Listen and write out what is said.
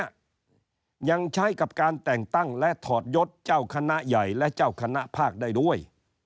ยังใช้กับการแต่งตั้งและถอดยศเจ้าคณะใหญ่และเจ้าคณะภาคได้ด้วย